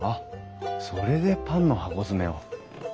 それでパンの箱詰めを。